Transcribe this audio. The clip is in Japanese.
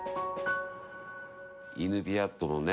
イヌピアットのね